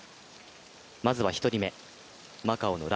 まずは１人目、マカオの羅